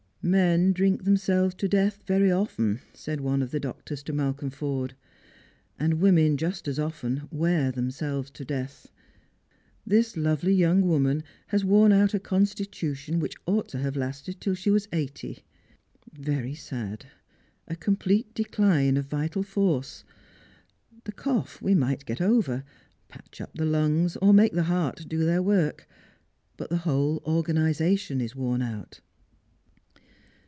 " Men drink themselves to death very often," said one of the doctors to Malcolm Forde ;" and women just as often wear themselves to death. This lovely J'^oung woman has worn out a constitution which oir'lit tn have la,..,t. J til! she wuy cii'.hty. Verv Straiigers and Pilgrims. 389 eaa , a conipiete decline of vital force. The cough we might get over, ija(.cli up the Jungs, or make the heart do their work ; but the whole organisation is worn out."